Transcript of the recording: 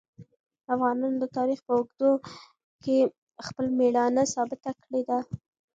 افغانانو د تاریخ په اوږدو کې خپل مېړانه ثابته کړې ده.